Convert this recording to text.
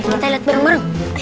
kita lihat bareng bareng